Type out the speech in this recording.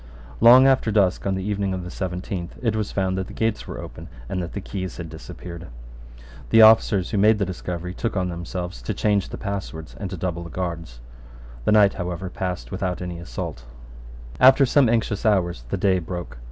Long after dusk on the evening of the seventeenth it was found that the gates were open and that the keys had disappeared. The officers who made the discovery took on themselves to change the passwords and to double the guards. The night, however, passed over without any assault, After some anxious hours the day broke.